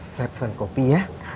saya pesan kopi ya